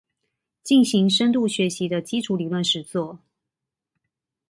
進行深度學習的基礎理論實作